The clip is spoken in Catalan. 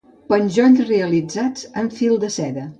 Penjolls realitzats en fil de seda.